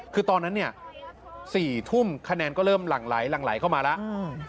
คือตอนนั้นเนี่ย๔ทุ่มคะแนนก็เริ่มหลั่งไหลหลั่งไหลเข้ามาแล้ว